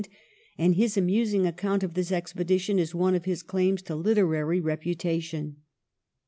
and his amusing account of this expedition is one of his claims to literary reputation.